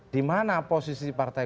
di mana posisi partai